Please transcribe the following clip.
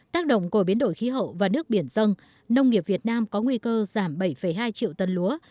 tác động của biến đổi khí hậu và nước biển dân nông nghiệp việt nam có nguy cơ giảm bảy hai triệu tân lúa